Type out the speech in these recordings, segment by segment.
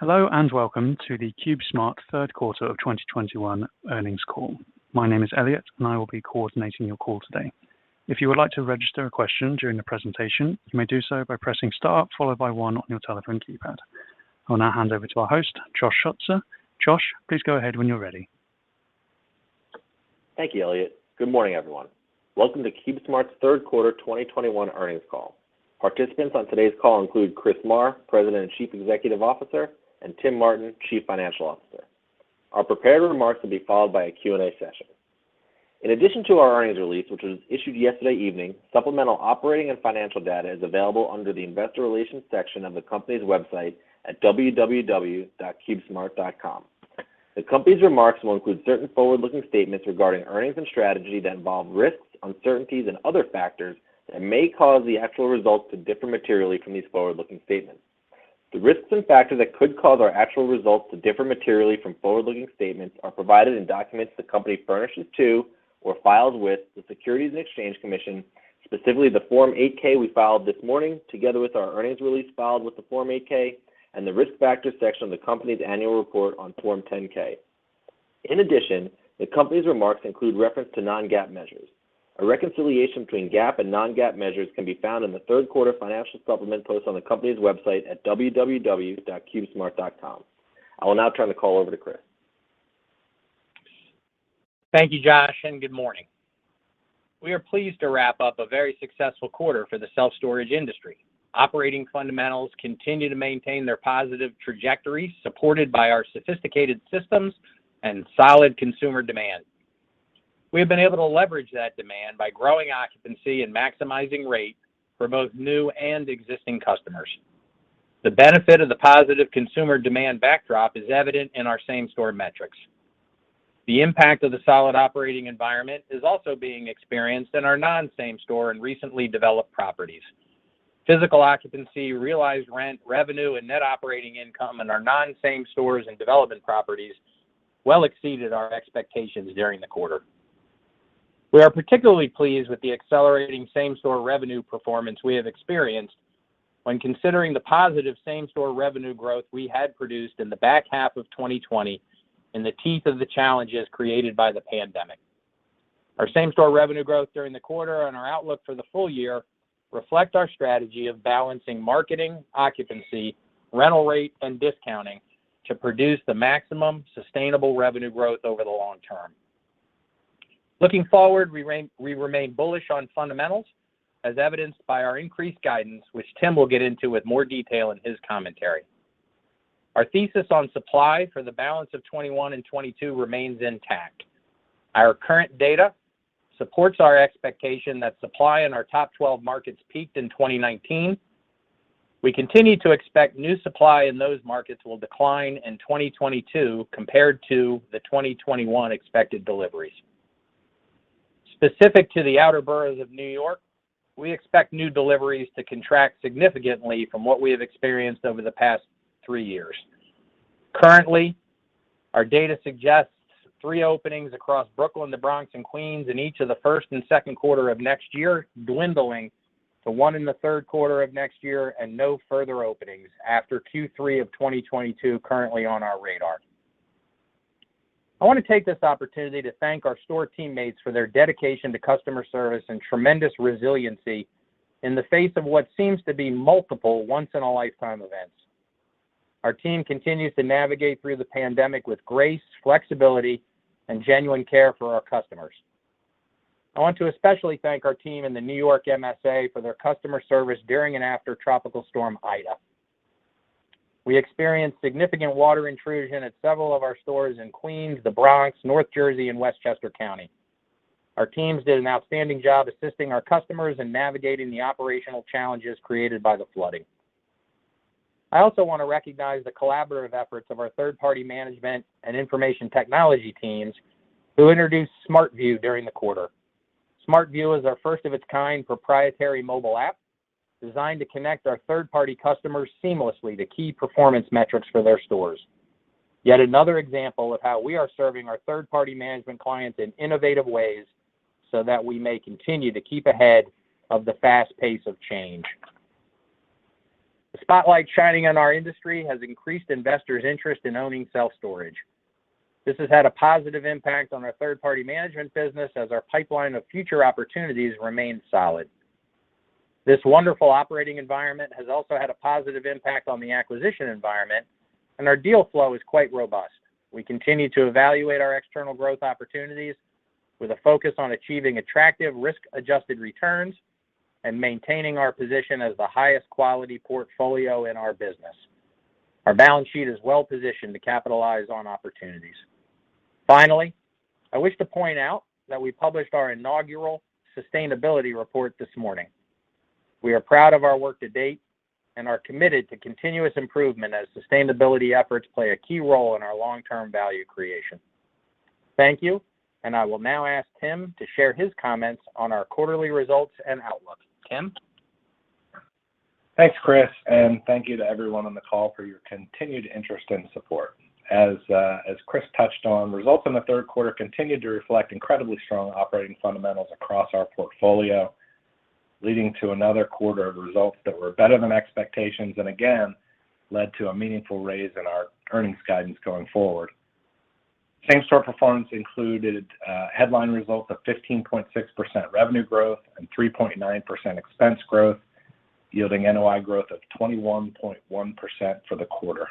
Hello and welcome to the CubeSmart third quarter of 2021 earnings call. My name is Elliot, and I will be coordinating your call today. If you would like to register a question during the presentation, you may do so by pressing star followed by one on your telephone keypad. I will now hand over to our host, Josh Schutzer. Josh, please go ahead when you're ready. Thank you, Elliot. Good morning, everyone. Welcome to CubeSmart's third quarter 2021 earnings call. Participants on today's call include Chris Marr, President and Chief Executive Officer, and Tim Martin, Chief Financial Officer. Our prepared remarks will be followed by a Q&A session. In addition to our earnings release, which was issued yesterday evening, supplemental operating and financial data is available under the Investor Relations section of the company's website at www.cubesmart.com. The company's remarks will include certain forward-looking statements regarding earnings and strategy that involve risks, uncertainties and other factors that may cause the actual results to differ materially from these forward-looking statements. The risks and factors that could cause our actual results to differ materially from forward-looking statements are provided in documents the company furnishes to or files with the Securities and Exchange Commission, specifically the Form 8-K we filed this morning, together with our earnings release filed with the Form 8-K and the Risk Factors section of the company's annual report on Form 10-K. In addition, the company's remarks include reference to non-GAAP measures. A reconciliation between GAAP and non-GAAP measures can be found in the third quarter financial supplement posted on the company's website at www.cubesmart.com. I will now turn the call over to Chris. Thank you, Josh, and good morning. We are pleased to wrap up a very successful quarter for the self-storage industry. Operating fundamentals continue to maintain their positive trajectory, supported by our sophisticated systems and solid consumer demand. We have been able to leverage that demand by growing occupancy and maximizing rate for both new and existing customers. The benefit of the positive consumer demand backdrop is evident in our same-store metrics. The impact of the solid operating environment is also being experienced in our non-same-store and recently developed properties. Physical occupancy, realized rent, revenue, and net operating income in our non-same-store and development properties well exceeded our expectations during the quarter. We are particularly pleased with the accelerating same-store revenue performance we have experienced when considering the positive same-store revenue growth we had produced in the back half of 2020 in the teeth of the challenges created by the pandemic. Our same-store revenue growth during the quarter and our outlook for the full year reflect our strategy of balancing marketing, occupancy, rental rate, and discounting to produce the maximum sustainable revenue growth over the long term. Looking forward, we remain bullish on fundamentals, as evidenced by our increased guidance, which Tim will get into with more detail in his commentary. Our thesis on supply for the balance of 2021 and 2022 remains intact. Our current data supports our expectation that supply in our top 12 markets peaked in 2019. We continue to expect new supply in those markets will decline in 2022 compared to the 2021 expected deliveries. Specific to the outer boroughs of New York, we expect new deliveries to contract significantly from what we have experienced over the past three years. Currently, our data suggests three openings across Brooklyn, the Bronx and Queens in each of the first and second quarter of next year, dwindling to one in the third quarter of next year and no further openings after Q3 of 2022 currently on our radar. I wanna take this opportunity to thank our store teammates for their dedication to customer service and tremendous resiliency in the face of what seems to be multiple once in a lifetime events. Our team continues to navigate through the pandemic with grace, flexibility and genuine care for our customers. I want to especially thank our team in the New York MSA for their customer service during and after Tropical Storm Ida. We experienced significant water intrusion at several of our stores in Queens, the Bronx, North Jersey and Westchester County. Our teams did an outstanding job assisting our customers in navigating the operational challenges created by the flooding. I also wanna recognize the collaborative efforts of our third-party management and information technology teams who introduced SmartView during the quarter. SmartView is our first of its kind proprietary mobile app designed to connect our third-party customers seamlessly to key performance metrics for their stores. Yet another example of how we are serving our third-party management clients in innovative ways so that we may continue to keep ahead of the fast pace of change. The spotlight shining on our industry has increased investors' interest in owning self-storage. This has had a positive impact on our third-party management business as our pipeline of future opportunities remains solid. This wonderful operating environment has also had a positive impact on the acquisition environment, and our deal flow is quite robust. We continue to evaluate our external growth opportunities with a focus on achieving attractive risk-adjusted returns and maintaining our position as the highest quality portfolio in our business. Our balance sheet is well positioned to capitalize on opportunities. Finally, I wish to point out that we published our inaugural sustainability report this morning. We are proud of our work to date and are committed to continuous improvement as sustainability efforts play a key role in our long-term value creation. Thank you, and I will now ask Tim to share his comments on our quarterly results and outlook. Tim? Thanks, Chris, and thank you to everyone on the call for your continued interest and support. As Chris touched on, results in the third quarter continued to reflect incredibly strong operating fundamentals across our portfolio, leading to another quarter of results that were better than expectations and again led to a meaningful raise in our earnings guidance going forward. Same-store performance included headline results of 15.6% revenue growth and 3.9% expense growth, yielding NOI growth of 21.1% for the quarter.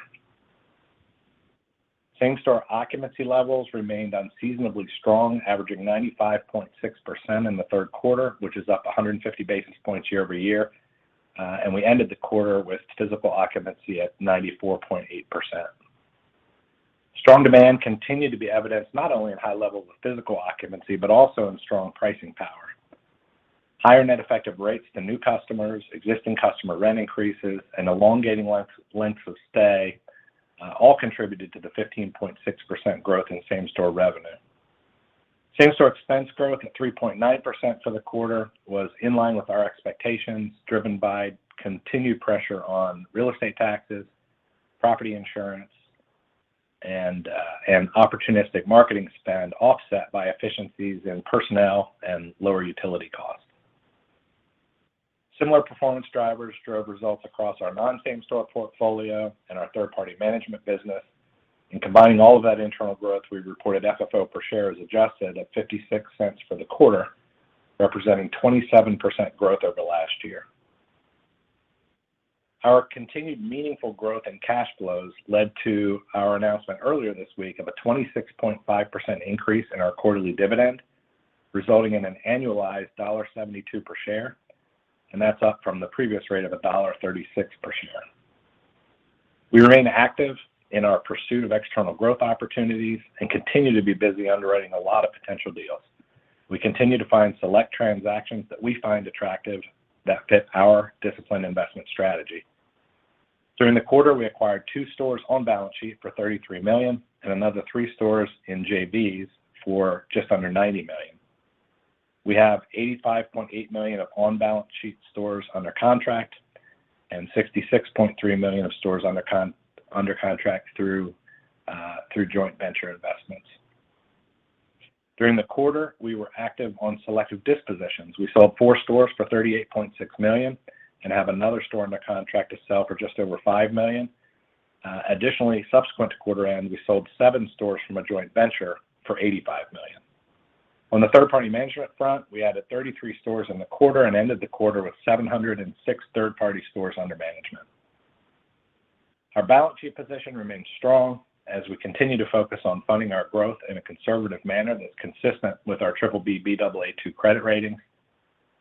Same-store occupancy levels remained unseasonably strong, averaging 95.6% in the third quarter, which is up 150 basis points year-over-year. And we ended the quarter with physical occupancy at 94.8%. Strong demand continued to be evidenced not only in high levels of physical occupancy, but also in strong pricing power. Higher net effective rates to new customers, existing customer rent increases, and elongating lengths of stay all contributed to the 15.6% growth in same-store revenue. Same-store expense growth at 3.9% for the quarter was in line with our expectations, driven by continued pressure on real estate taxes, property insurance, and opportunistic marketing spend offset by efficiencies in personnel and lower utility costs. Similar performance drivers drove results across our non-same store portfolio and our third-party management business. In combining all of that internal growth, we reported FFO per share as adjusted at $0.56 for the quarter, representing 27% growth over last year. Our continued meaningful growth in cash flows led to our announcement earlier this week of a 26.5% increase in our quarterly dividend, resulting in an annualized $1.72 per share, and that's up from the previous rate of a $1.36 per share. We remain active in our pursuit of external growth opportunities and continue to be busy underwriting a lot of potential deals. We continue to find select transactions that we find attractive that fit our discipline investment strategy. During the quarter, we acquired two stores on balance sheet for $33 million and another three stores in JVs for just under $90 million. We have $85.8 million of on-balance-sheet stores under contract and $66.3 million of stores under contract through joint venture investments. During the quarter, we were active on selective dispositions. We sold 4 stores for $38.6 million and have another store under contract to sell for just over $5 million. Additionally, subsequent to quarter end, we sold 7 stores from a joint venture for $85 million. On the third-party management front, we added 33 stores in the quarter and ended the quarter with 706 third-party stores under management. Our balance sheet position remains strong as we continue to focus on funding our growth in a conservative manner that's consistent with our BBB Baa2 credit rating.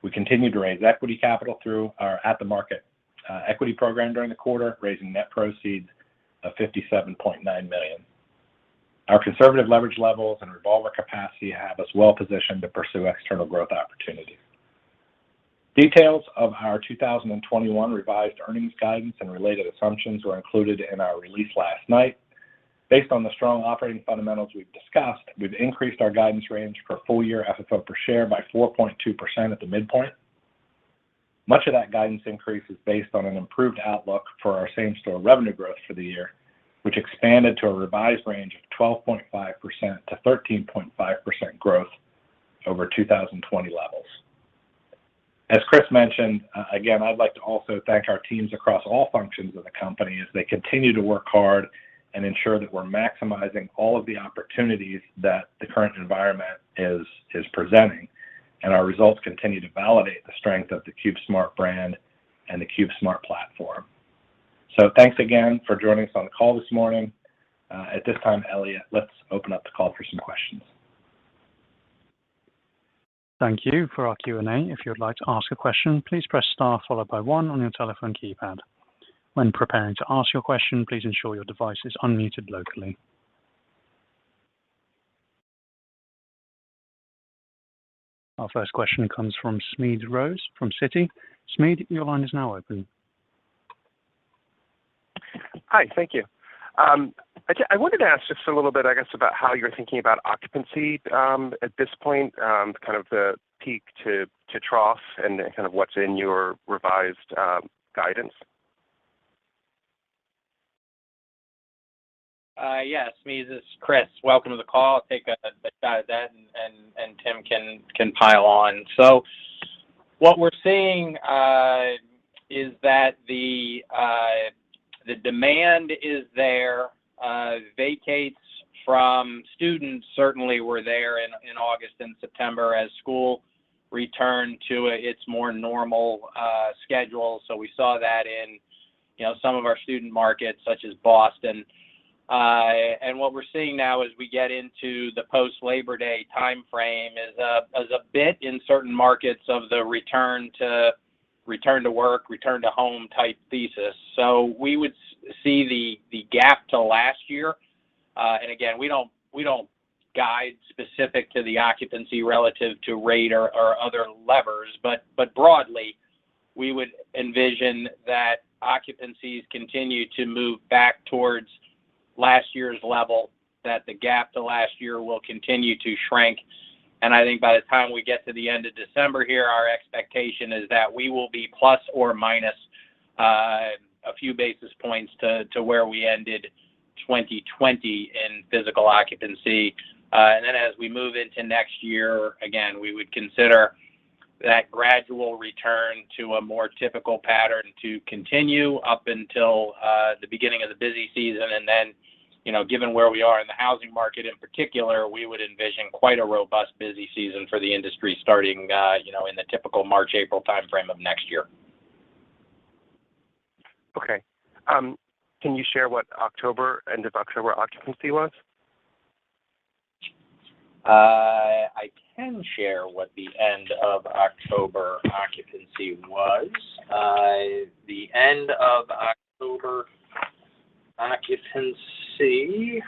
We continued to raise equity capital through our at-the-market equity program during the quarter, raising net proceeds of $57.9 million. Our conservative leverage levels and revolver capacity have us well positioned to pursue external growth opportunities. Details of our 2021 revised earnings guidance and related assumptions were included in our release last night. Based on the strong operating fundamentals we've discussed, we've increased our guidance range for full year FFO per share by 4.2% at the midpoint. Much of that guidance increase is based on an improved outlook for our same-store revenue growth for the year, which expanded to a revised range of 12.5%-13.5% growth over 2020 levels. As Chris mentioned, again, I'd like to also thank our teams across all functions of the company as they continue to work hard and ensure that we're maximizing all of the opportunities that the current environment is presenting, and our results continue to validate the strength of the CubeSmart brand and the CubeSmart platform. Thanks again for joining us on the call this morning. At this time, Elliot, let's open up the call for some questions. Thank you. For our Q&A, if you would like to ask a question, please press star followed by one on your telephone keypad. When preparing to ask your question, please ensure your device is unmuted locally. Our first question comes from Smedes Rose from Citi. Smead, your line is now open. Hi, thank you. I wanted to ask just a little bit, I guess, about how you're thinking about occupancy at this point, kind of the peak to trough and then kind of what's in your revised guidance. Yes, Smedes, this is Chris. Welcome to the call. I'll take a shot at that and Tim can pile on. What we're seeing is that the demand is there. Vacates from students certainly were there in August and September as school returned to its more normal schedule. We saw that in, you know, some of our student markets such as Boston. What we're seeing now as we get into the post-Labor Day timeframe is a bit in certain markets of the return to work, return to home type thesis. We would see the gap to last year. We don't guide specific to the occupancy relative to rate or other levers, but broadly, we would envision that occupancies continue to move back towards Last year's level that the gap to last year will continue to shrink. I think by the time we get to the end of December here, our expectation is that we will be ± a few basis points to where we ended 2020 in physical occupancy. Then as we move into next year, again, we would consider that gradual return to a more typical pattern to continue up until the beginning of the busy season. Then, you know, given where we are in the housing market in particular, we would envision quite a robust busy season for the industry starting, you know, in the typical March, April timeframe of next year. Okay. Can you share what October, end of October occupancy was? I can share what the end of October occupancy was. The end of October occupancy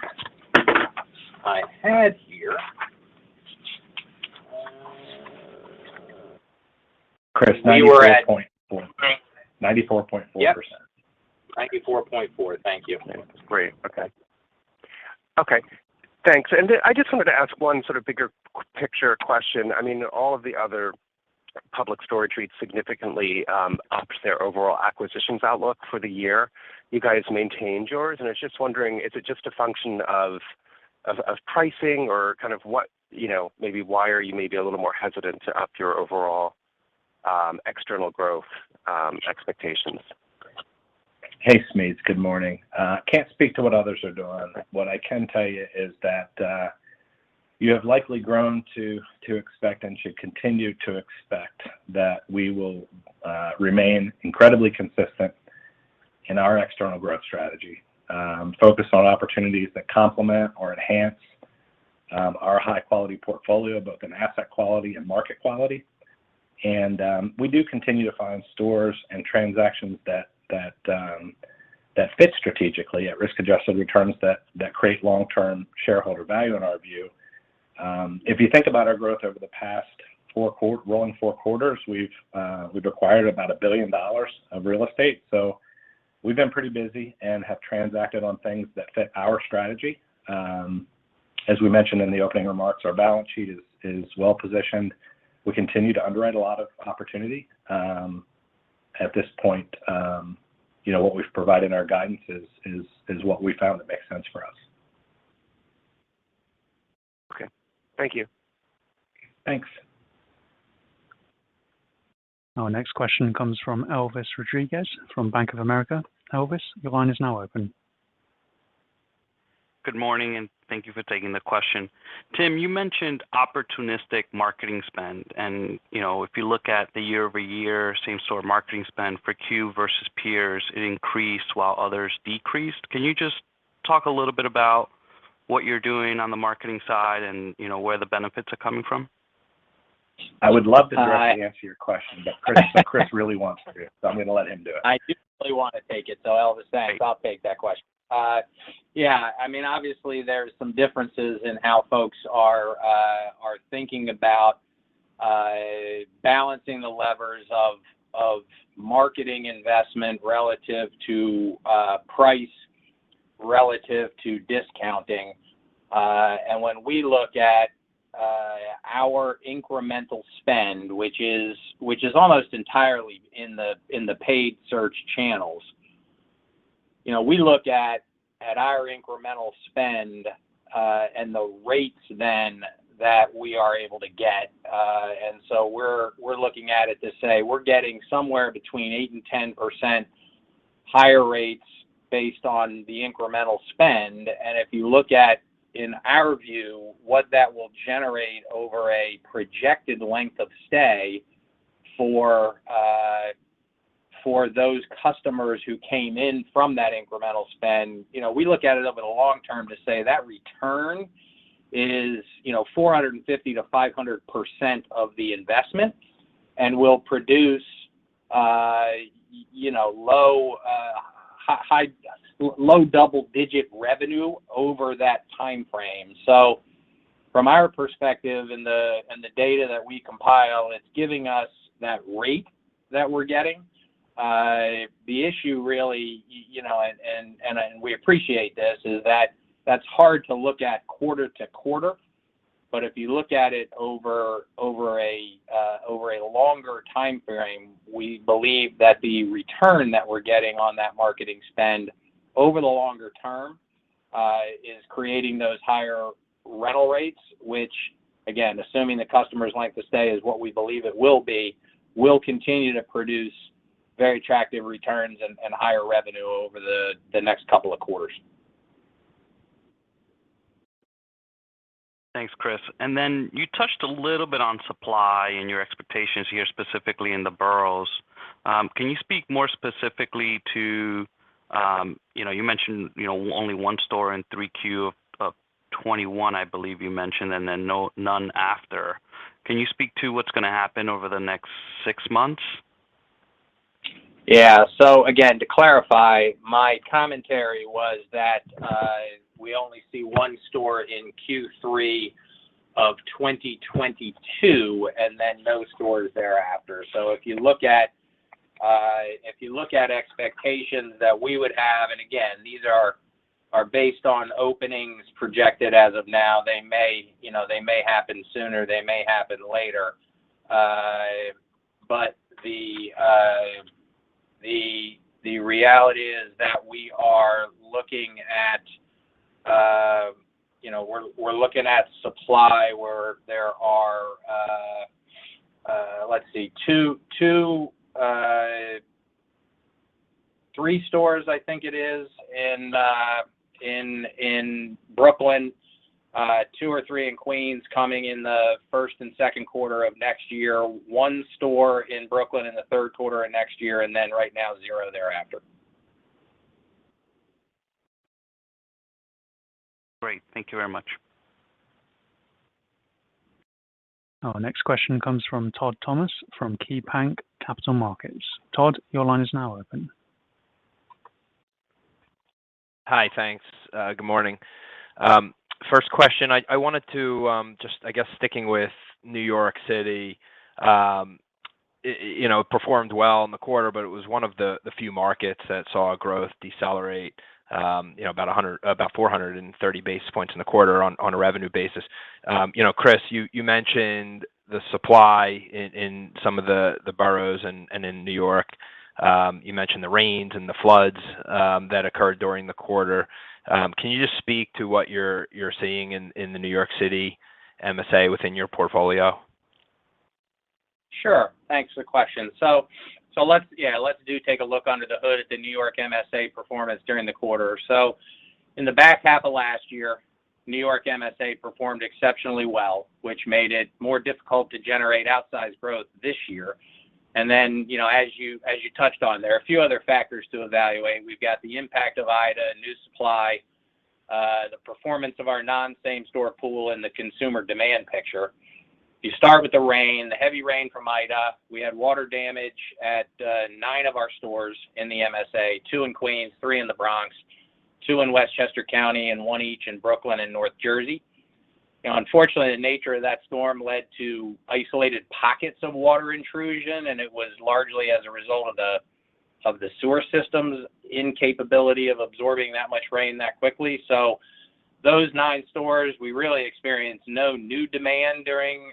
I had here. Chris, 94.4 We were at- 94.4%. Yep. 94.4. Thank you. Yeah. Great. Okay. Okay. Thanks. I just wanted to ask one sort of bigger picture question. I mean, all of the other public storage REITs significantly upped their overall acquisitions outlook for the year. You guys maintained yours, and I was just wondering, is it just a function of pricing or kind of what, you know, maybe why are you maybe a little more hesitant to up your overall external growth expectations? Hey, Smedes. Good morning. I can't speak to what others are doing. What I can tell you is that you have likely grown to expect and should continue to expect that we will remain incredibly consistent in our external growth strategy, focused on opportunities that complement or enhance our high-quality portfolio, both in asset quality and market quality. We do continue to find stores and transactions that fit strategically at risk-adjusted returns that create long-term shareholder value in our view. If you think about our growth over the past rolling 4 quarters, we've acquired about $1 billion of real estate. So we've been pretty busy and have transacted on things that fit our strategy. As we mentioned in the opening remarks, our balance sheet is well positioned. We continue to underwrite a lot of opportunity. At this point, you know, what we've provided in our guidance is what we found that makes sense for us. Okay. Thank you. Thanks. Our next question comes from Elvis Rodriguez from Bank of America. Elvis, your line is now open. Good morning, and thank you for taking the question. Tim, you mentioned opportunistic marketing spend, and, you know, if you look at the year-over-year same-store marketing spend for Q versus peers, it increased while others decreased. Can you just talk a little bit about what you're doing on the marketing side and, you know, where the benefits are coming from? I would love to directly answer your question. Chris really wants to do it, so I'm gonna let him do it. I do really wanna take it. Elvis, thanks. I'll take that question. Yeah, I mean, obviously there's some differences in how folks are thinking about balancing the levers of marketing investment relative to price relative to discounting. When we look at our incremental spend, which is almost entirely in the paid search channels, you know, we look at our incremental spend and the rates then that we are able to get. We're looking at it to say we're getting somewhere between 8% and 10% higher rates based on the incremental spend. If you look at, in our view, what that will generate over a projected length of stay for those customers who came in from that incremental spend, you know, we look at it over the long term to say that return is, you know, 450%-500% of the investment and will produce, you know, low double-digit revenue over that timeframe. From our perspective and the data that we compile, it's giving us that rate that we're getting. The issue really, you know, and we appreciate this, is that that's hard to look at quarter to quarter. If you look at it over a longer timeframe, we believe that the return that we're getting on that marketing spend over the longer term is creating those higher rental rates, which again, assuming the customer's length of stay is what we believe it will be, will continue to produce very attractive returns and higher revenue over the next couple of quarters. Thanks, Chris. You touched a little bit on supply and your expectations here specifically in the boroughs. Can you speak more specifically to, you know, you mentioned, you know, only one store in Q3 of 2021, I believe you mentioned, and then none after. Can you speak to what's gonna happen over the next six months? Yeah. Again, to clarify, my commentary was that we only see 1 store in Q3 of 2022, and then no stores thereafter. If you look at expectations that we would have, and again, these are based on openings projected as of now. They may, you know, happen sooner, they may happen later. But the reality is that we are looking at, you know, we're looking at supply where there are, let's see, 2 or 3 stores I think it is in Brooklyn, 2 or 3 in Queens coming in the first and second quarter of next year, 1 store in Brooklyn in the third quarter of next year, and then right now zero thereafter. Great. Thank you very much. Our next question comes from Todd Thomas, from KeyBanc Capital Markets. Todd, your line is now open. Hi, thanks. Good morning. First question, I wanted to just, I guess sticking with New York City, you know, performed well in the quarter, but it was one of the few markets that saw growth decelerate, you know, about 430 basis points in the quarter on a revenue basis. You know, Chris, you mentioned the supply in some of the boroughs and in New York. You mentioned the rains and the floods that occurred during the quarter. Can you just speak to what you're seeing in the New York City MSA within your portfolio? Sure. Thanks for the question. Let's take a look under the hood at the New York MSA performance during the quarter. In the back half of last year, New York MSA performed exceptionally well, which made it more difficult to generate outsized growth this year. You know, as you touched on, there are a few other factors to evaluate. We've got the impact of Ida, new supply, the performance of our non-same store pool and the consumer demand picture. You start with the rain, the heavy rain from Ida. We had water damage at nine of our stores in the MSA, two in Queens, three in the Bronx, two in Westchester County and one each in Brooklyn and North Jersey. You know, unfortunately, the nature of that storm led to isolated pockets of water intrusion, and it was largely as a result of the sewer system's incapability of absorbing that much rain that quickly. Those nine stores, we really experienced no new demand during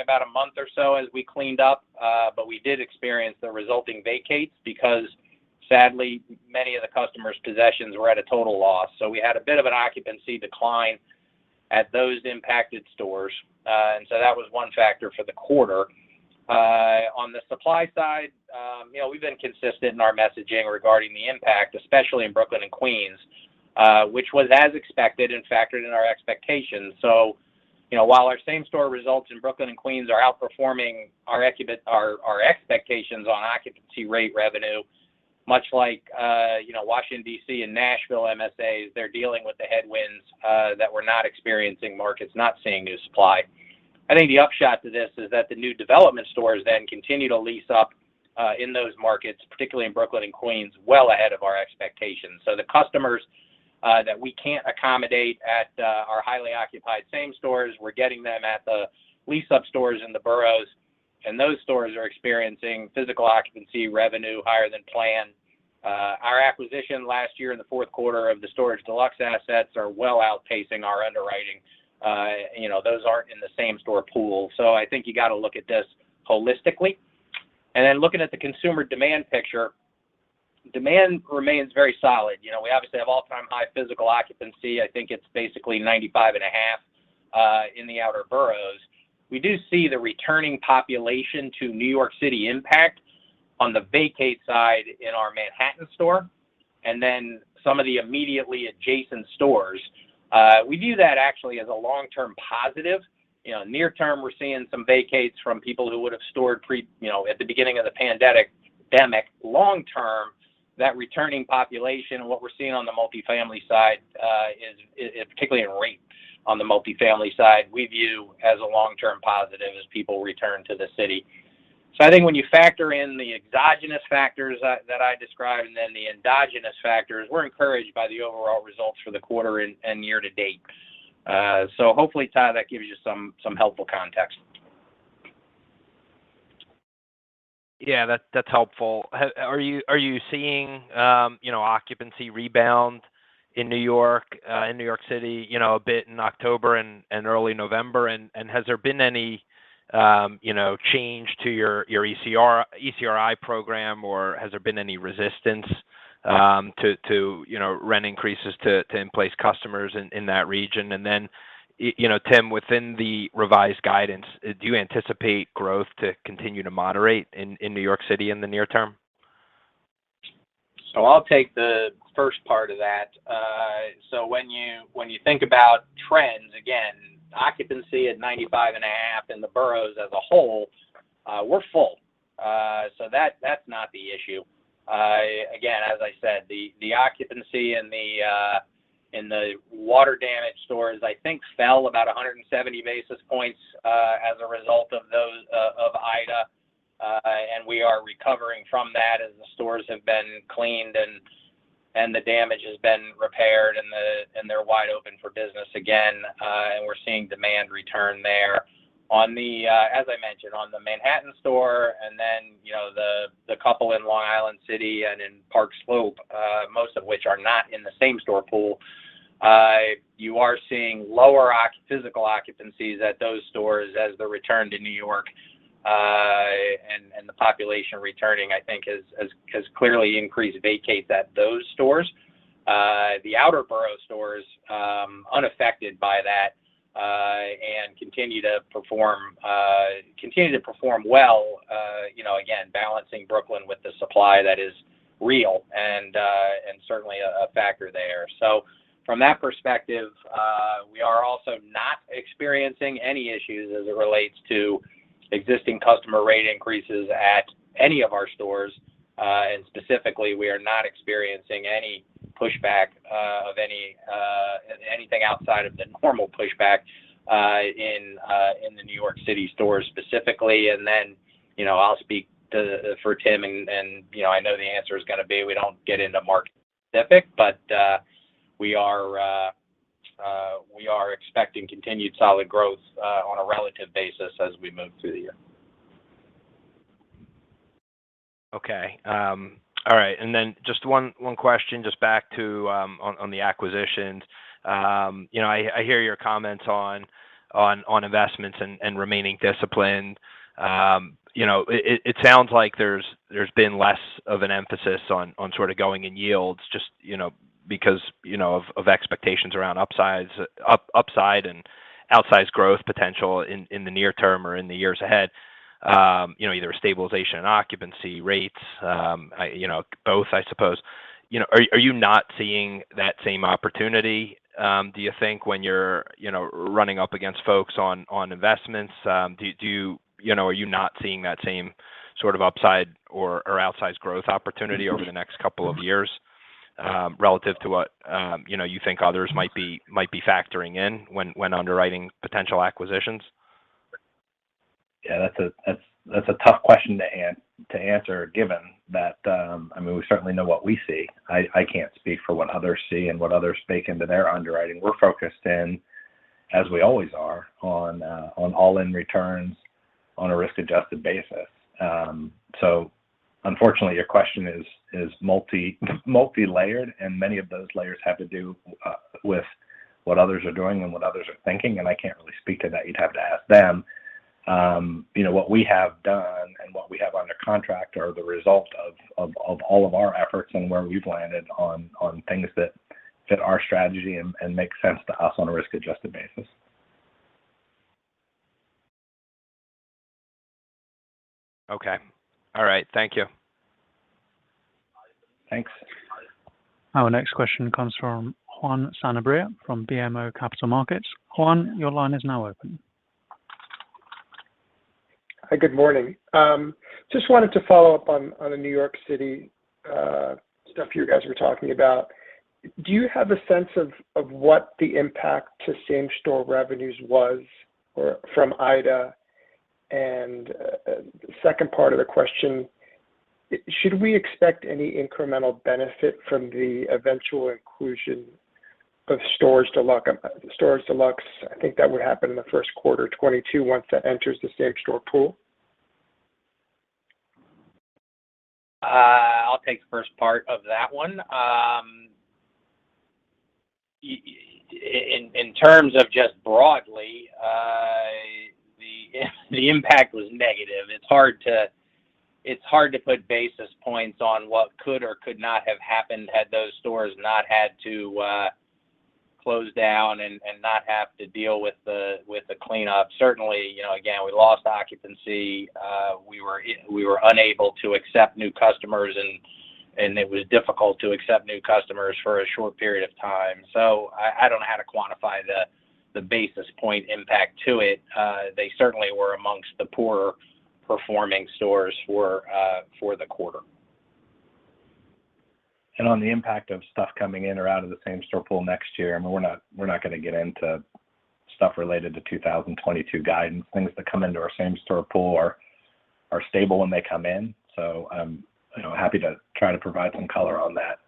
about a month or so as we cleaned up. We did experience the resulting vacates because sadly, many of the customers' possessions were at a total loss. We had a bit of an occupancy decline at those impacted stores. That was one factor for the quarter. On the supply side, you know, we've been consistent in our messaging regarding the impact, especially in Brooklyn and Queens, which was as expected and factored in our expectations. You know, while our same store results in Brooklyn and Queens are outperforming our expectations on occupancy rate revenue, much like you know, Washington, D.C. and Nashville MSAs, they're dealing with the headwinds that we're not experiencing markets not seeing new supply. I think the upshot to this is that the new development stores continue to lease up in those markets, particularly in Brooklyn and Queens, well ahead of our expectations. The customers that we can't accommodate at our highly occupied same stores, we're getting them at the lease-up stores in the boroughs. Those stores are experiencing physical occupancy revenue higher than planned. Our acquisition last year in the fourth quarter of the Storage Deluxe assets are well outpacing our underwriting. You know, those aren't in the same store pool. I think you gotta look at this holistically. Then looking at the consumer demand picture, demand remains very solid. You know, we obviously have all-time high physical occupancy. I think it's basically 95.5% in the outer boroughs. We do see the returning population to New York City impact on the vacate side in our Manhattan store and then some of the immediately adjacent stores. We view that actually as a long-term positive. You know, near term, we're seeing some vacates from people who would have stored pre, you know, at the beginning of the pandemic. Long term, that returning population, what we're seeing on the multifamily side, is, particularly in rates on the multifamily side, we view as a long-term positive as people return to the city. I think when you factor in the exogenous factors that I described and then the endogenous factors, we're encouraged by the overall results for the quarter and year to date. Hopefully, Todd, that gives you some helpful context. Yeah, that's helpful. Are you seeing, you know, occupancy rebound in New York in New York City, you know, a bit in October and early November? Has there been any, you know, change to your ECRI program, or has there been any resistance to, you know, rent increases to in-place customers in that region? You know, Tim, within the revised guidance, do you anticipate growth to continue to moderate in New York City in the near term? I'll take the first part of that. When you think about trends, again, occupancy at 95.5% in the boroughs as a whole, we're full. That's not the issue. Again, as I said, the occupancy in the water damage stores, I think fell about 170 basis points as a result of those of Ida. We are recovering from that as the stores have been cleaned and the damage has been and they're wide open for business again, and we're seeing demand return there. As I mentioned, on the Manhattan store and then, you know, the couple in Long Island City and in Park Slope, most of which are not in the same-store pool, you are seeing lower physical occupancies at those stores as the return to New York and the population returning, I think has clearly increased vacancy at those stores. The outer borough stores, unaffected by that, continue to perform well, you know, again, balancing Brooklyn with the supply that is real and certainly a factor there. From that perspective, we are also not experiencing any issues as it relates to existing customer rate increases at any of our stores. Specifically, we are not experiencing any pushback of anything outside of the normal pushback in the New York City stores specifically. Then, you know, I'll speak for Tim and, you know, I know the answer is gonna be we don't get into market-specific, but we are expecting continued solid growth on a relative basis as we move through the year. Okay. All right, just one question back to on the acquisitions. You know, I hear your comments on investments and remaining disciplined. You know, it sounds like there's been less of an emphasis on sort of going in yields just because of expectations around upside and outsized growth potential in the near term or in the years ahead, you know, either stabilization and occupancy rates, you know, both, I suppose. You know, are you not seeing that same opportunity, do you think when you're running up against folks on investments? Do you know, are you not seeing that same sort of upside or outsized growth opportunity over the next couple of years, relative to what, you know, you think others might be factoring in when underwriting potential acquisitions? Yeah, that's a tough question to answer given that. I mean, we certainly know what we see. I can't speak for what others see and what others bake into their underwriting. We're focused in, as we always are, on all-in returns on a risk-adjusted basis. So unfortunately, your question is multi-layered, and many of those layers have to do with what others are doing and what others are thinking, and I can't really speak to that. You'd have to ask them. You know, what we have done and what we have under contract are the result of all of our efforts and where we've landed on things that fit our strategy and make sense to us on a risk-adjusted basis. Okay. All right. Thank you. Thanks. Our next question comes from Juan Sanabria from BMO Capital Markets. Juan, your line is now open. Hi, good morning. Just wanted to follow up on the New York City stuff you guys were talking about. Do you have a sense of what the impact to same-store revenues was from Ida? Second part of the question, should we expect any incremental benefit from the eventual inclusion of Storage Deluxe stores? I think that would happen in the first quarter 2022 once that enters the same-store pool. I'll take the first part of that one. In terms of just broadly, the impact was negative. It's hard to put basis points on what could or could not have happened had those stores not had to close down and not have to deal with the cleanup. Certainly, you know, again, we lost occupancy. We were unable to accept new customers and it was difficult to accept new customers for a short period of time. I don't know how to quantify the basis point impact to it. They certainly were amongst the poorer performing stores for the quarter. On the impact of stuff coming in or out of the same-store pool next year, I mean, we're not gonna get into stuff related to 2022 guidance. Things that come into our same-store pool are stable when they come in. I'm, you know, happy to try to provide some color on that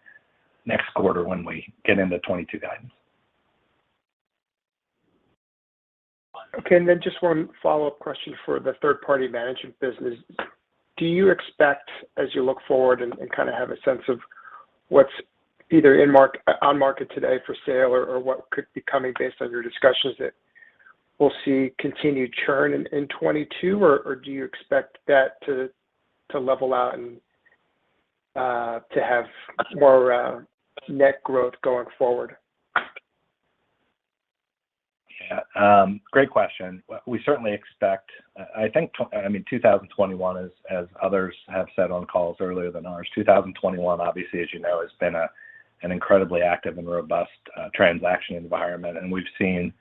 next quarter when we get into 2022 guidance. Okay, just one follow-up question for the third-party management business. Do you expect as you look forward and kind of have a sense of what's either on market today for sale or what could be coming based on your discussions that we'll see continued churn in 2022 or do you expect that to level out and to have more net growth going forward? Yeah. Great question. We certainly expect, I think, I mean, 2021 as others have said on calls earlier than ours. 2021 obviously, as you know, has been an incredibly active and robust transaction environment. We've seen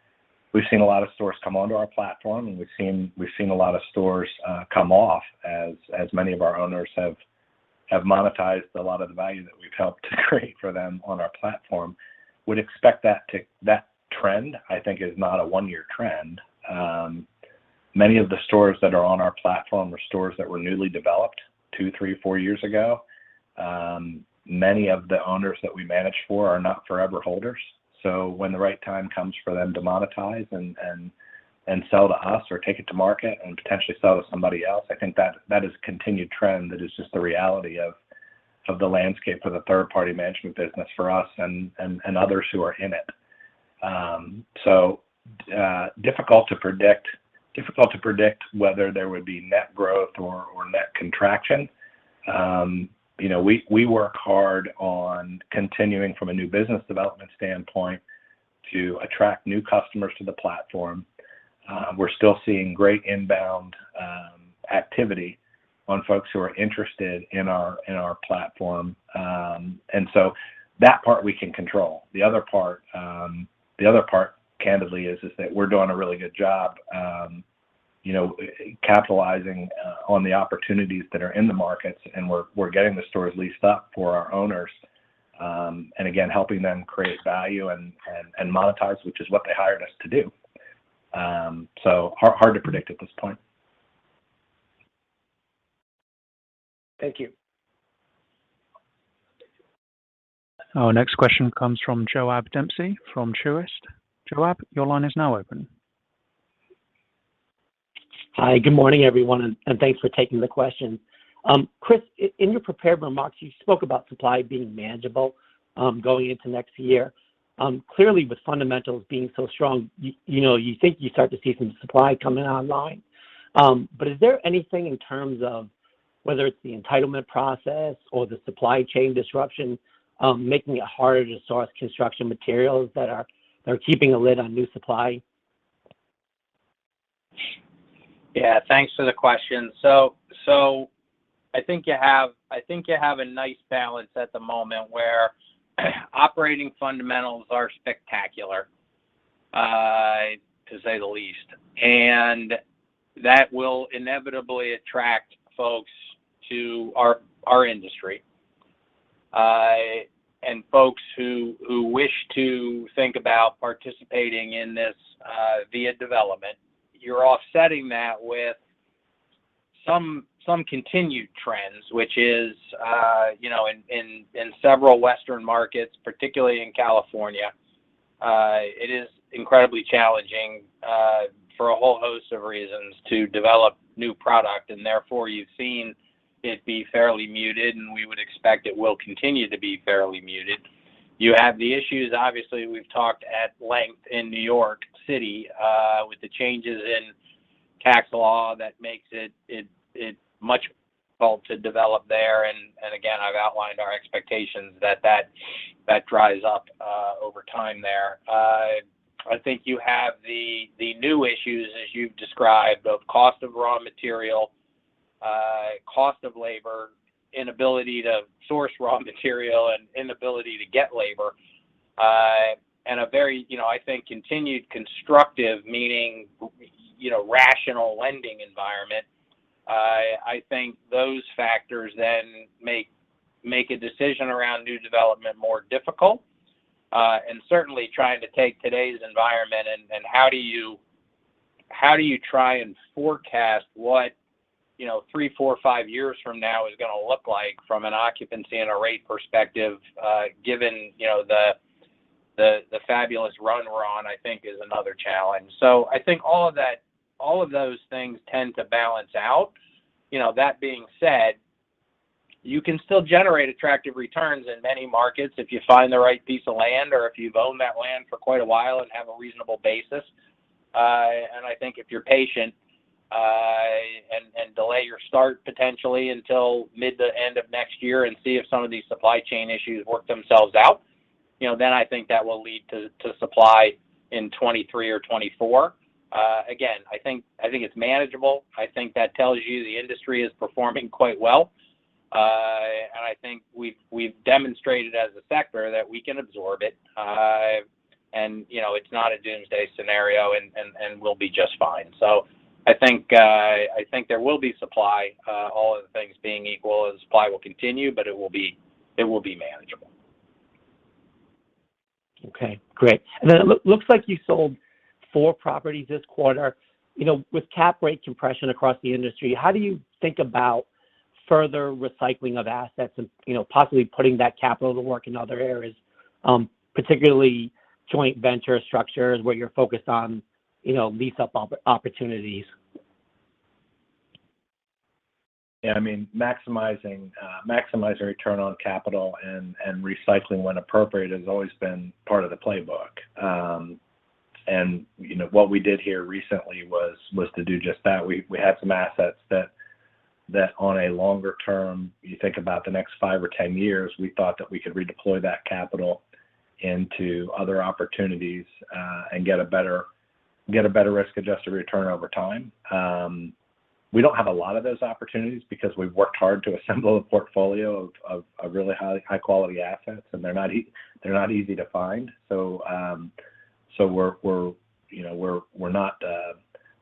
a lot of stores come onto our platform and we've seen a lot of stores come off as many of our owners have monetized a lot of the value that we've helped to create for them on our platform. Would expect that. That trend, I think, is not a one-year trend. Many of the stores that are on our platform are stores that were newly developed 2, 3, 4 years ago. Many of the owners that we manage for are not forever holders. When the right time comes for them to monetize and sell to us or take it to market and potentially sell to somebody else, I think that is a continued trend that is just the reality of the landscape for the third-party management business for us and others who are in it. Difficult to predict whether there would be net growth or net contraction. You know, we work hard on continuing from a new business development standpoint to attract new customers to the platform. We're still seeing great inbound activity on folks who are interested in our platform. That part we can control. The other part candidly is that we're doing a really good job, you know, capitalizing on the opportunities that are in the markets and we're getting the stores leased up for our owners, and again, helping them create value and monetize, which is what they hired us to do. Hard to predict at this point. Thank you. Our next question comes from Ki Bin Kim from Truist. Ki Bin Kim, your line is now open. Hi. Good morning, everyone, and thanks for taking the question. Chris, in your prepared remarks, you spoke about supply being manageable, going into next year. Clearly, with fundamentals being so strong, you know, you think you start to see some supply coming online. Is there anything in terms of whether it's the entitlement process or the supply chain disruption, making it harder to source construction materials that are keeping a lid on new supply? Yeah. Thanks for the question. I think you have a nice balance at the moment where operating fundamentals are spectacular, to say the least, and that will inevitably attract folks to our industry. Folks who wish to think about participating in this via development. You're offsetting that with some continued trends, which is, you know, in several western markets, particularly in California, it is incredibly challenging for a whole host of reasons to develop new product. Therefore, you've seen it be fairly muted, and we would expect it will continue to be fairly muted. You have the issues, obviously, we've talked at length in New York City with the changes in tax law that makes it much difficult to develop there. Again, I've outlined our expectations that dries up over time there. I think you have the new issues as you've described of cost of raw material, cost of labor, inability to source raw material, and inability to get labor, and a very, you know, I think continued constructive, meaning, you know, rational lending environment. I think those factors then make a decision around new development more difficult. Certainly trying to take today's environment and how do you try and forecast what, you know, three, four, five years from now is gonna look like from an occupancy and a rate perspective, given, you know, the fabulous run we're on, I think is another challenge. I think all of those things tend to balance out. You know, that being said, you can still generate attractive returns in many markets if you find the right piece of land or if you've owned that land for quite a while and have a reasonable basis. I think if you're patient and delay your start potentially until mid to end of next year and see if some of these supply chain issues work themselves out, you know, then I think that will lead to supply in 2023 or 2024. Again, I think it's manageable. I think that tells you the industry is performing quite well. I think we've demonstrated as a sector that we can absorb it. You know, it's not a doomsday scenario and we'll be just fine. I think there will be supply. All other things being equal, the supply will continue, but it will be manageable. Okay. Great. It looks like you sold four properties this quarter. You know, with cap rate compression across the industry, how do you think about further recycling of assets and, you know, possibly putting that capital to work in other areas, particularly joint venture structures where you're focused on, you know, lease up opportunities? Yeah. I mean, maximizing return on capital and recycling when appropriate has always been part of the playbook. You know, what we did here recently was to do just that. We had some assets that on a longer term, you think about the next 5 or 10 years, we thought that we could redeploy that capital into other opportunities and get a better risk-adjusted return over time. We don't have a lot of those opportunities because we've worked hard to assemble a portfolio of really high quality assets, and they're not easy to find. You know,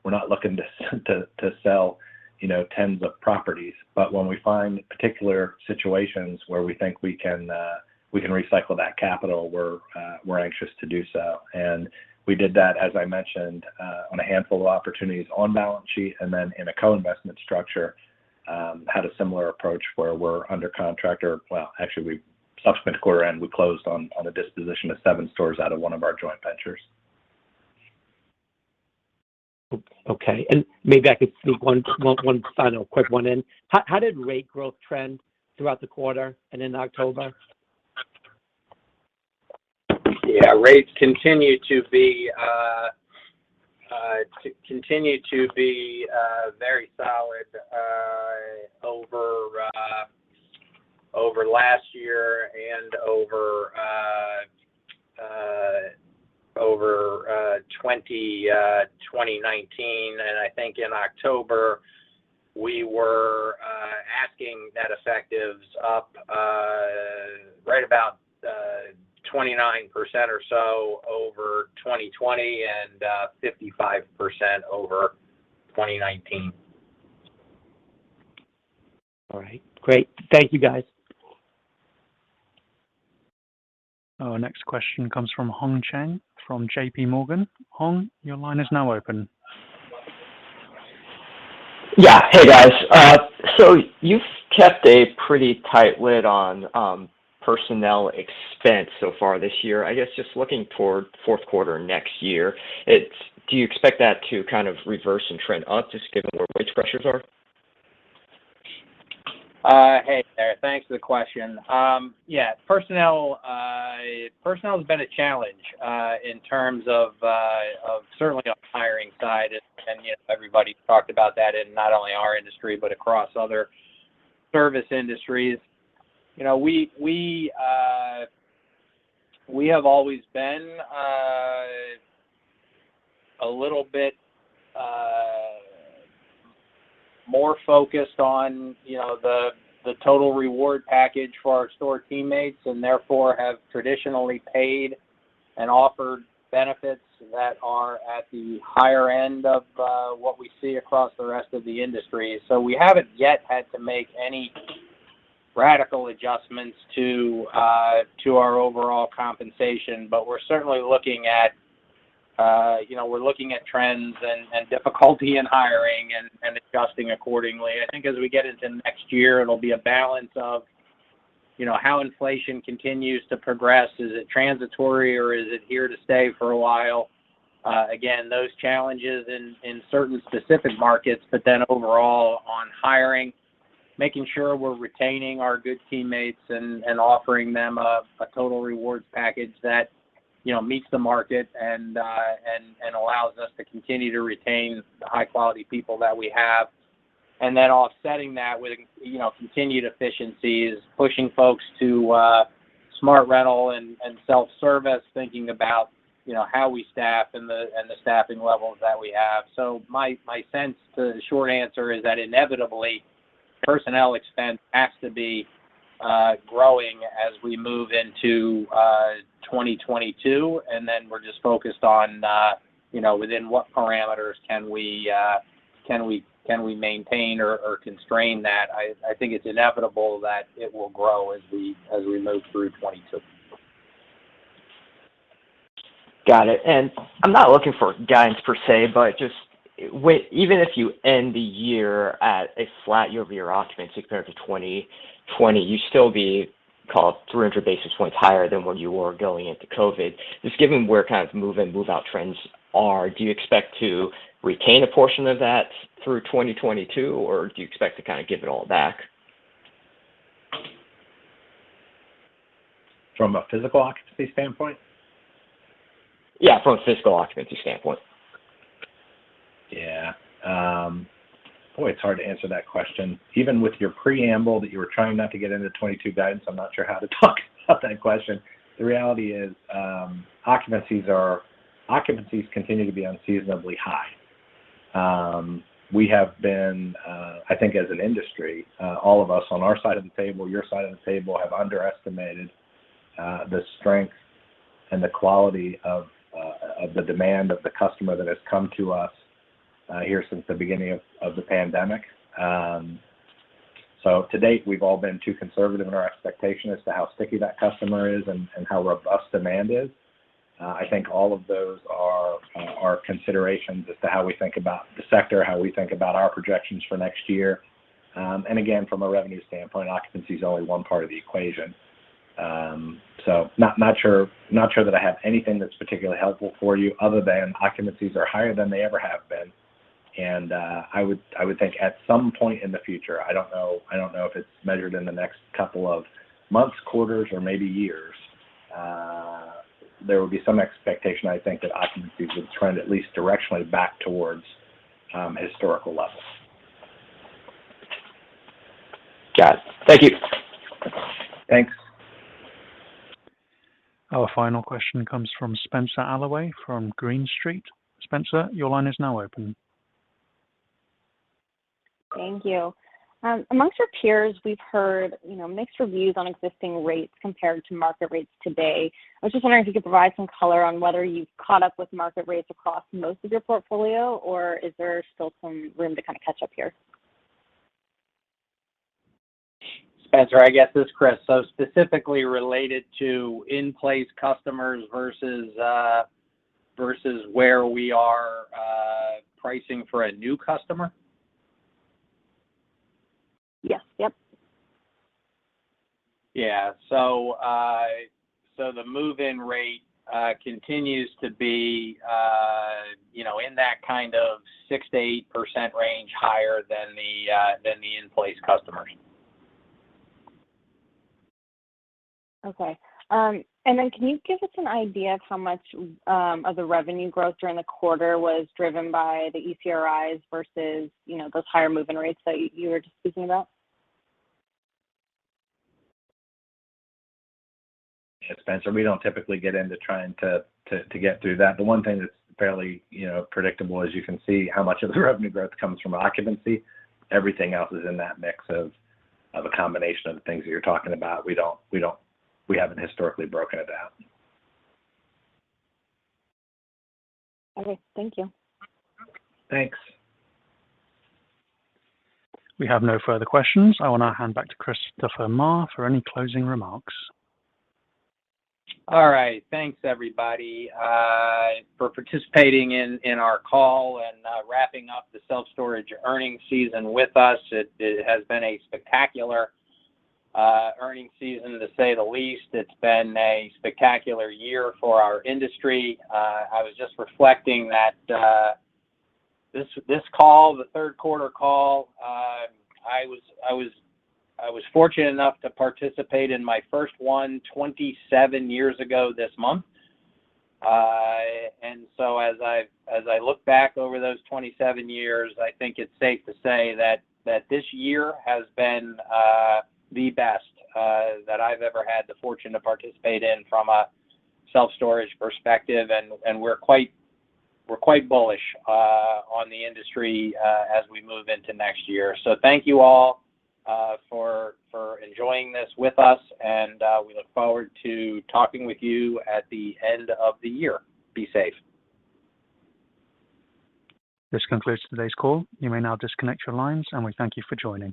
we're not looking to sell, you know, tens of properties. When we find particular situations where we think we can recycle that capital. We're anxious to do so. We did that, as I mentioned, on a handful of opportunities on balance sheet, and then in a co-investment structure, had a similar approach where we're under contract or well, actually, subsequent to quarter end, we closed on a disposition of 7 stores out of one of our joint ventures. Okay. Maybe I could sneak one final quick one in. How did rate growth trend throughout the quarter and in October? Yeah. Rates continue to be very solid over last year and over 2019. I think in October, we were achieving net effectives up right about 29% or so over 2020, and 55% over 2019. All right. Great. Thank you, guys. Our next question comes from Hong Zhang from J.P. Morgan. Hong, your line is now open. Hey, guys. You've kept a pretty tight lid on personnel expense so far this year. I guess just looking toward fourth quarter next year, it's do you expect that to kind of reverse and trend up just given where wage pressures are? Hey there. Thanks for the question. Yeah, personnel's been a challenge in terms of certainly on the hiring side. You know, everybody's talked about that in not only our industry, but across other service industries. You know, we have always been a little bit more focused on, you know, the total reward package for our store teammates, and therefore have traditionally paid and offered benefits that are at the higher end of what we see across the rest of the industry. We haven't yet had to make any radical adjustments to our overall compensation, but we're certainly looking at, you know, we're looking at trends and difficulty in hiring and adjusting accordingly. I think as we get into next year, it'll be a balance of, you know, how inflation continues to progress. Is it transitory, or is it here to stay for a while? Again, those challenges in certain specific markets, but then overall on hiring, making sure we're retaining our good teammates and offering them a total rewards package that, you know, meets the market and allows us to continue to retain the high quality people that we have. Offsetting that with continued efficiencies, pushing folks to SmartRental and self-service, thinking about, you know, how we staff and the staffing levels that we have. My sense, the short answer is that inevitably, personnel expense has to be growing as we move into 2022, and then we're just focused on within what parameters can we maintain or constrain that. I think it's inevitable that it will grow as we move through 2022. Got it. I'm not looking for guidance per se, but just even if you end the year at a flat year-over-year occupancy compared to 2020, you'd still be call it 300 basis points higher than where you were going into COVID. Just given where kind of move in, move out trends are, do you expect to retain a portion of that through 2022, or do you expect to kind of give it all back? From a physical occupancy standpoint? Yeah, from a physical occupancy standpoint. Yeah. Boy, it's hard to answer that question. Even with your preamble that you were trying not to get into 2022 guidance, I'm not sure how to talk about that question. The reality is, occupancies continue to be unseasonably high. We have been, I think as an industry, all of us on our side of the table, your side of the table, have underestimated the strength and the quality of the demand of the customer that has come to us here since the beginning of the pandemic. To date, we've all been too conservative in our expectation as to how sticky that customer is and how robust demand is. I think all of those are considerations as to how we think about the sector, how we think about our projections for next year. Again, from a revenue standpoint, occupancy is only one part of the equation. Not sure that I have anything that's particularly helpful for you other than occupancies are higher than they ever have been. I would think at some point in the future, I don't know if it's measured in the next couple of months, quarters, or maybe years, there will be some expectation, I think, that occupancies would trend at least directionally back towards historical levels. Got it. Thank you. Thanks. Our final question comes from Spenser Allaway from Green Street. Spenser, your line is now open. Thank you. Among your peers, we've heard, you know, mixed reviews on existing rates compared to market rates today. I was just wondering if you could provide some color on whether you've caught up with market rates across most of your portfolio, or is there still some room to kind of catch up here? Spenser, this is Chris. Specifically related to in-place customers versus where we are pricing for a new customer? Yes. Yep. The move-in rate continues to be, you know, in that kind of 6%-8% range higher than the in-place customers. Okay. Can you give us an idea of how much of the revenue growth during the quarter was driven by the ECRIs versus, you know, those higher move-in rates that you were just speaking about? Yeah, Spenser, we don't typically get into trying to get through that. The one thing that's fairly, you know, predictable, as you can see how much of the revenue growth comes from occupancy. Everything else is in that mix of a combination of the things that you're talking about. We haven't historically broken it out. Okay. Thank you. Thanks. We have no further questions. I wanna hand back to Christopher Marr for any closing remarks. All right. Thanks everybody for participating in our call and wrapping up the self-storage earnings season with us. It has been a spectacular earnings season to say the least. It's been a spectacular year for our industry. I was just reflecting that this call, the third quarter call, I was fortunate enough to participate in my first one 27 years ago this month. As I look back over those 27 years, I think it's safe to say that this year has been the best that I've ever had the fortune to participate in from a self-storage perspective. We're quite bullish on the industry as we move into next year. Thank you all, for enjoying this with us and we look forward to talking with you at the end of the year. Be safe. This concludes today's call. You may now disconnect your lines, and we thank you for joining.